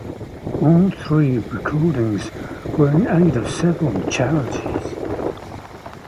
All three recordings were in aid of several charities.